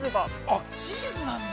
◆あ、チーズなんだ。